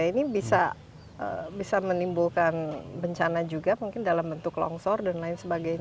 ini bisa menimbulkan bencana juga mungkin dalam bentuk longsor dan lain sebagainya